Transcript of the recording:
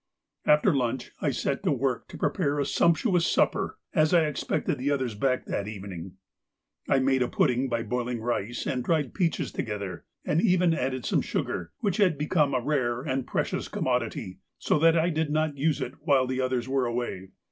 After lunch I set to work to prepare a sumptuous supper, as I expected the others back that evening. I made a pudding by boiling rice and dried peaches together, and even added some sugar, which had become a rare and precious commodity, so that I did not use it while the others were away.